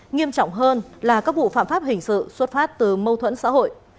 nghiêm trọng hơn là các vụ phạm pháp hình sự xuất phát từ mâu thuẫn xã hội